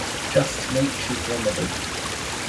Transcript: Just Nature's remedy.